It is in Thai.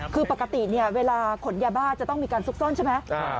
คือปกติเนี่ยเวลาขนยาบ้าจะต้องมีการซุกซ่อนใช่ไหม